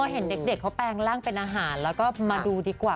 เห็นเด็กเขาแปลงร่างเป็นอาหารแล้วก็มาดูดีกว่า